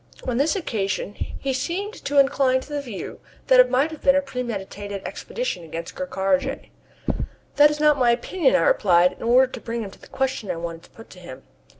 On this occasion he seemed to incline to the view that it might have been a premeditated expedition against Ker Karraje. "That is not my opinion," I replied, in order to bring him to the question that I wanted to put to him.